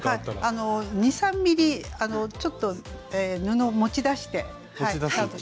２３ｍｍちょっと布を持ち出してスタートします。